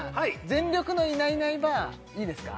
全力のいないいないばあいいですか？